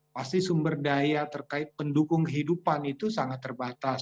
pasti sumber daya terkait pendukung kehidupan itu sangat terbatas